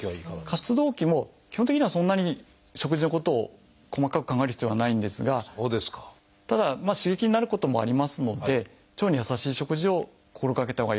活動期も基本的にはそんなに食事のことを細かく考える必要はないんですがただ刺激になることもありますので腸に優しい食事を心がけたほうがよいと思いますね。